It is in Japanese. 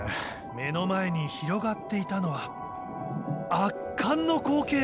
目の前に広がっていたのは圧巻の光景。